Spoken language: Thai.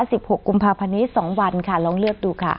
หกกุมภาพันธ์นี้สองวันค่ะลองเลือกดูค่ะ